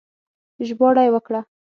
ژباړه يې وکړه